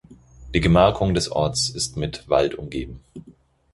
Die Gemarkung des Ortes ist mit Wald umgeben.